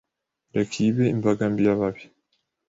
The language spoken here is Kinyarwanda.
Reka iyi ibe imbaga mbi yababi